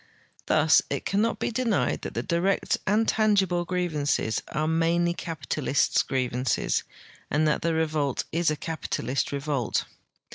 Thus it cannot be denied that the direct and tangible grievances are mainly capitalists' grievances and that the revolt is a capitalist revolt.